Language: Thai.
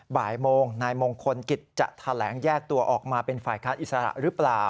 บ่ายโมงนายมงคลกิจจะแถลงแยกตัวออกมาเป็นฝ่ายค้านอิสระหรือเปล่า